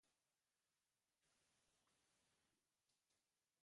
Ezin dugu kale egin.